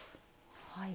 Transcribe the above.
はい。